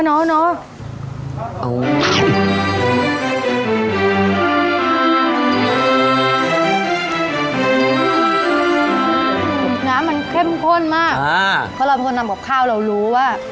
น้ำมันเข้มข้นมากเพราะเราเป็นคนทำกับข้าวเรารู้ว่า